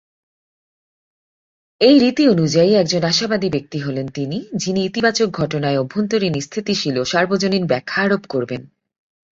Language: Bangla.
এই রীতি অনুযায়ী একজন আশাবাদী ব্যক্তি হলেন তিনি, যিনি ইতিবাচক ঘটনায় অভ্যন্তরীন, স্থিতিশীল ও সার্বজনীন ব্যাখ্যা আরোপ করবেন।